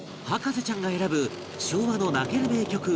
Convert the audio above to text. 博士ちゃんが選ぶ昭和の泣ける名曲